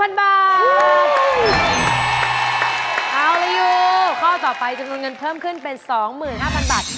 เอาละยูข้อต่อไปจำนวนเงินเพิ่มขึ้นเป็น๒๕๐๐บาท